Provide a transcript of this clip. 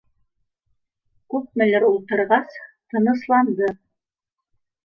Күпмелер ултырғас, тынысланды